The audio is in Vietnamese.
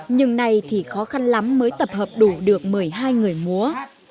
nhưng nay thì khó khăn lắm mới tập hợp đủ được một mươi hai người múa